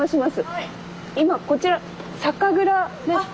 今こちら酒蔵ですか？